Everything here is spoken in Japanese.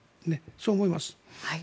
そう思います。